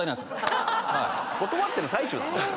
断ってる最中なの？